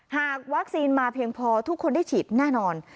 หากวัคซีนมาเพียงพอทุกคนได้ฉีดแน่นอน